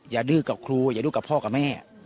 ดื้อกับครูอย่าดื้อกับพ่อกับแม่